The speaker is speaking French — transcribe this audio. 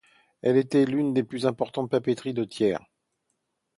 Elle était l’une des plus importantes papeteries de Thiers.